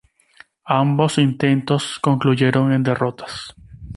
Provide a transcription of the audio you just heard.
Ambos intentos concluyeron en derrotas.